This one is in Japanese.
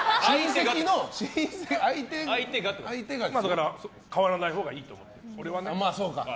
だから変わらないほうがいいと思う。